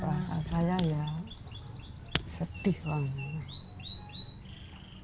rasa saya ya sedih banget